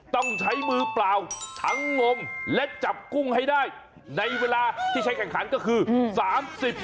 ต้องใช้มือเปล่าทั้งงมและจับกุ้งให้ได้ในเวลาที่ใช้แข่งขันก็คือ๓๐นาที